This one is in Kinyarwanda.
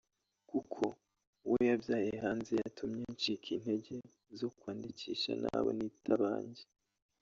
kuko uwo yabyaye hanze yatumye ncika intege zo kwandikisha nabo nita abanjye